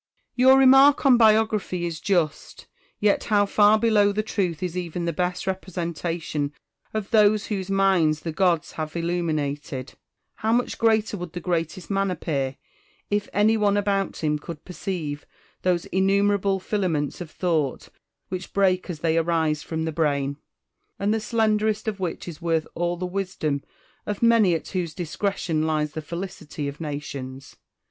Your remark on biography is just ; yet how far below the truth is even the best representation of those whose minds the gods have illuminated 1 How much greater would the greatest man appear, if any one about him could perceive those innumerable filaments of thought which break as they arise from the brain, and the slenderest of which is worth all the wisdom of many at whose discretion lies the felicity of nations